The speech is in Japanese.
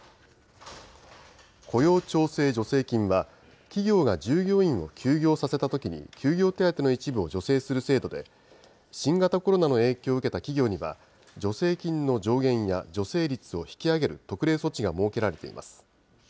雇用調整助成金は、企業が従業員を休業させたときに休業手当の一部を助成する制度で、新型コロナの影響を受けた企業には、助成金の上限や助成率を引き上げる特例措置が設けられています。